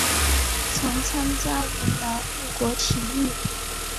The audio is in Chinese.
曾参加云南护国起义。